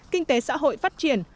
kinh tế xã hội phát triển